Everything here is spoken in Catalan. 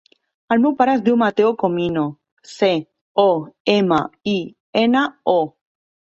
El meu pare es diu Mateo Comino: ce, o, ema, i, ena, o.